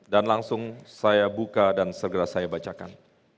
dan langsung saya buka dan segera saya bacakan